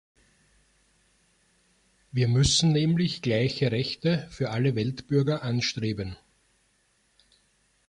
Wir müssen nämlich gleiche Rechte für alle Weltbürger anstreben.